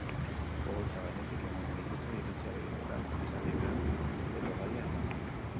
Oholtza gainetik eman ohi dute iritzia gehienetan, izan librean edo gaia emanda.